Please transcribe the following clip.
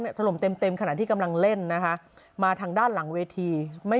เนี่ยสลมเต็มขณะที่กำลังเล่นนะคะมาทางด้านหลังเวที